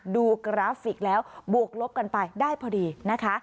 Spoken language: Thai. กราฟิกแล้วบวกลบกันไปได้พอดีนะคะ